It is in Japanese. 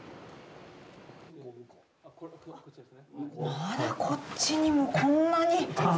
まだこっちにもこんなに！